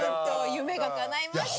夢がかないました。